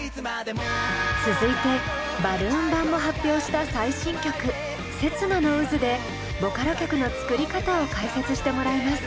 続いてバルーン版も発表した最新曲「刹那の渦」でボカロ曲の作り方を解説してもらいます。